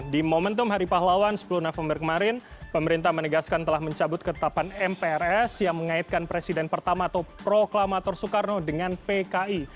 di momentum hari pahlawan sepuluh november kemarin pemerintah menegaskan telah mencabut ketetapan mprs yang mengaitkan presiden pertama atau proklamator soekarno dengan pki